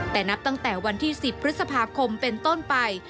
แต่นับตั้งแต่วันที่๑๐พฤษภาคมเป็นต้นไป